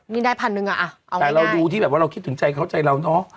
นี่ได้๑๐๐๐บาทเอาง่ายแต่เราดูที่แบบว่าเราคิดถึงใจเขาใจเราน้อง